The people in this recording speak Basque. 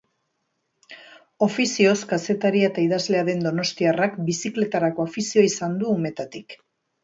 Ofizioz kazetaria eta idazlea den donostiarrak bizikletarako afizioa izan du umetatik.